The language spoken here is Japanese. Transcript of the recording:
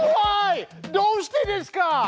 どうしてですか！